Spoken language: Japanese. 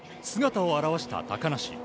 姿を現した高梨。